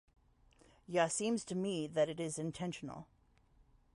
Ya seem's to me that it is intentional.